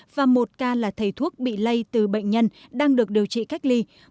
và một ca là thầy thuốc bị lây từ bệnh nhân đang được điều trị cách ly